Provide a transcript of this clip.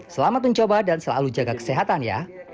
selamat mencoba dan selalu jaga kesehatan ya